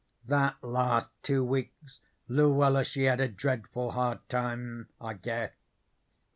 "That last two weeks Luella she had a dreadful hard time, I guess.